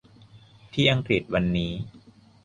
ที่อังกฤษวันนี้